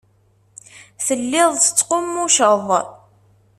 Telliḍ tettqummuceḍ.